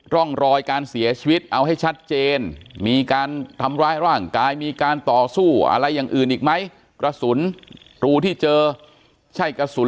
ร่องรอยการเสียชีวิตเอาให้ชัดเจนมีการทำร้ายร่างกายมีการต่อสู้อะไรอย่างอื่นอีกไหมกระสุนรูที่เจอใช่กระสุน